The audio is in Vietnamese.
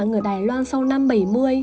người đài loan sau năm bảy mươi